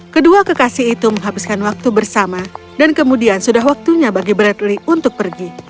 kedua kekasih itu menghabiskan waktu bersama dan kemudian sudah waktunya bagi bradley untuk pergi